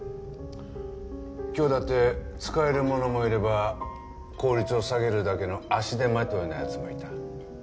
今日だって使える者もいれば効率を下げるだけの足手まといな奴もいた。